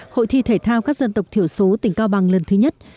hội thi thể thao các dân tộc thiểu số tỉnh cao bằng lần thứ nhất